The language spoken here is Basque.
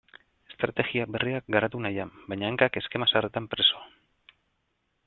Estrategia berriak garatu nahian, baina hankak eskema zaharretan preso.